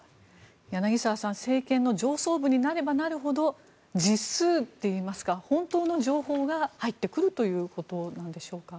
柳澤さん政権の上層部になればなるほど実数といいますか本当の情報が入ってくるということでしょうか。